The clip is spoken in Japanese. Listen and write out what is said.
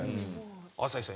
朝日さん